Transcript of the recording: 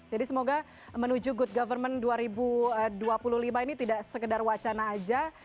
jadi semoga menuju good government dua ribu dua puluh lima ini tidak sekedar wacana aja